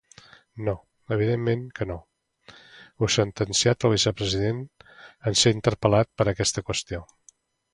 No, evidentment que no, ha sentenciat el vicepresident en ser interpel·lat per aquesta qüestió.